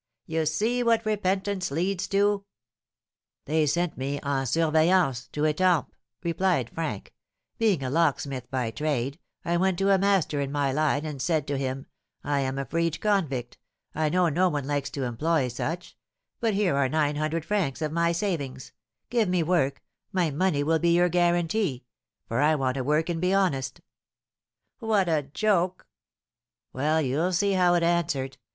You see what repentance leads to!" "They sent me, en surveillance, to Etampes," replied Frank; "being a locksmith by trade, I went to a master in my line and said to him, 'I am a freed convict, I know no one likes to employ such, but here are nine hundred francs of my savings, give me work, my money will be your guarantee, for I want to work and be honest.'" "What a joke!" "Well, you'll see how it answered.